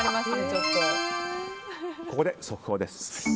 ここで速報です。